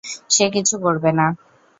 সে কিছু করবে না।